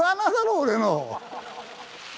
俺の。